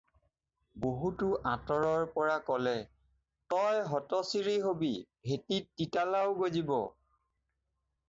বহুতো আঁতৰৰ পৰা ক'লে- "তই হতচিৰী হ'বি, ভেটিত তিতালাও গজিব।